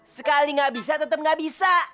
sekali gak bisa tetep gak bisa